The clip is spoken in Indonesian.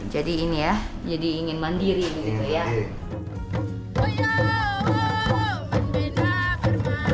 jadi ini ya jadi ingin mandiri gitu ya